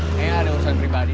sebenarnya ada urusan pribadi